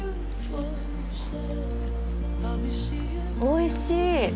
おいしい！